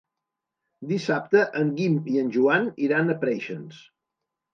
Dissabte en Guim i en Joan iran a Preixens.